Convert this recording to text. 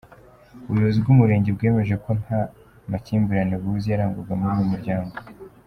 Ubuyobozi bw’Umurenge bwemeje kandi ko nta makimbirane buzi yarangwaga muri uyu muryango.